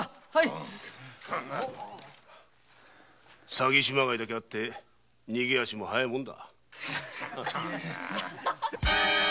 詐欺師まがいだけあって逃げ足も早いもんだ。